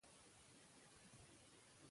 کم مه ورکوئ.